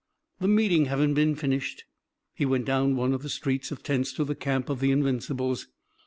The meeting having been finished, he went down one of the streets of tents to the camp of the Invincibles.